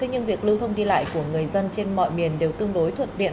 nhưng việc lưu thông đi lại của người dân trên mọi miền đều tương đối thuận tiện